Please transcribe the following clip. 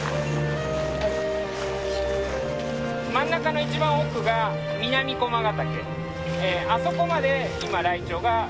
真ん中の一番奥が南駒ヶ岳。